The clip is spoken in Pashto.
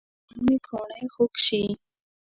نن مې کوڼۍ خوږ شي